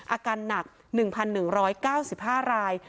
อาการหนัก๑๑๙๕ราย